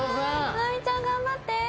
ほなみちゃん頑張って。